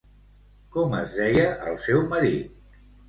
Com es deia el seu marit?